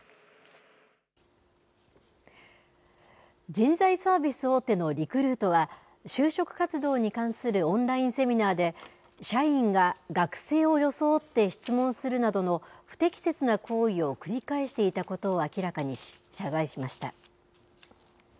人材サービス大手のリクルートは、就職活動に関するオンラインセミナーで、社員が学生を装って質問するなどの不適切な行為を繰り返していたことを明らかにし、謝罪しました。